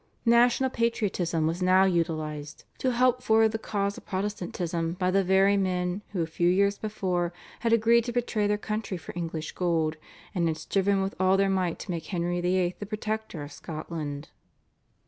National patriotism was now utilised to help forward the cause of Protestantism, by the very men who a few years before had agreed to betray their country for English gold, and had striven with all their might to make Henry VIII. the protector of Scotland.